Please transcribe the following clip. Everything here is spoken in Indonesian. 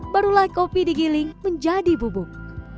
barulah kopi digiling menjadi bubuk